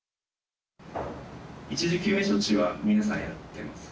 一時救命処置は皆さん、やってます？